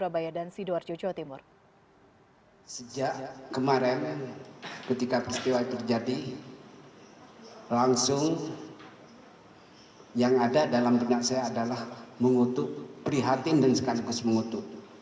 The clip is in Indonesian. beri hati dan sekaligus mengutuk